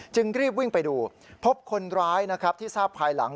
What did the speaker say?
รีบวิ่งไปดูพบคนร้ายนะครับที่ทราบภายหลัง